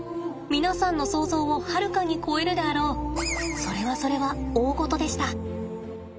皆さんの想ゾウをはるかに超えるであろうそれはそれは大ごとでした。